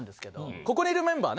ここにいるメンバーはね